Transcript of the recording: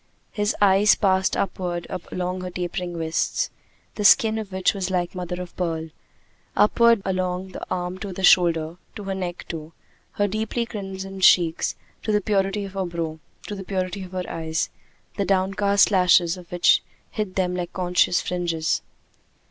His eyes passed upward along her tapering wrists, the skin of which was like mother of pearl; upward along the arm to the shoulder to her neck to her deeply crimsoned cheeks to the purity of her brow to the purity of her eyes, the downcast lashes of which hid them like conscious fringes.